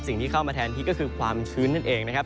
สิ่งที่เข้ามาแทนที่ก็คือความชื้นนั่นเองนะครับ